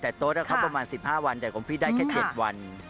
แต่โต๊ะเขาประมาณ๑๕วันแต่ของพี่ได้แค่๗วัน